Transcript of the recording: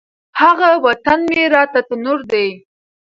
هغه وطن مي راته تنور دی